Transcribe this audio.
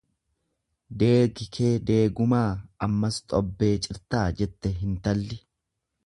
Deegi kee deegumaa ammas xobbee cirtaa jette hintalli.